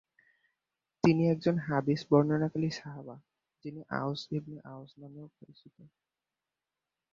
তিনি একজন হাদিস বর্ণনাকারী সাহাবা, যিনি আওস ইবনে আওস নামেও পরিচিত।